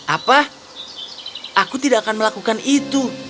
apa aku tidak akan melakukan itu